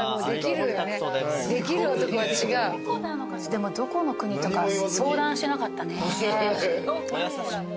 でもどこの国とか相談してなかったね。